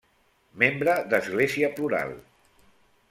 Membre d'Església Plural.